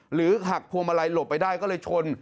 หักพวงมาลัยหลบไปได้ก็เลยชน